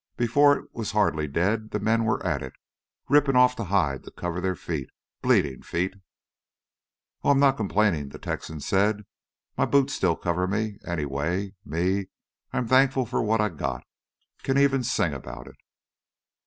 Before it was hardly dead the men were at it, rippin' off the hide to cover their feet bleedin' feet!" "Oh, I'm not complainin'," the Texan said. "M'boots still cover me, anyway. Me, I'm thankful for what I got can even sing 'bout it."